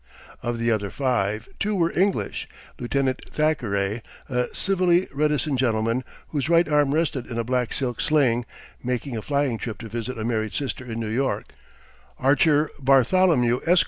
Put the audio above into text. Of the other five, two were English: Lieutenant Thackeray, a civilly reticent gentleman whose right arm rested in a black silk sling, making a flying trip to visit a married sister in New York; Archer Bartholomew, Esq.